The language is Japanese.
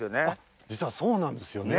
実はそうなんですよね。